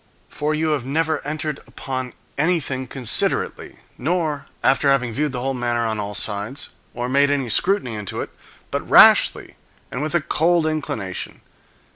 For you have never entered upon anything considerately, nor after having viewed the whole matter on all sides, or made any scrutiny into it, but rashly, and with a cold inclination.